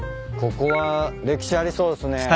ここは歴史ありそうですね。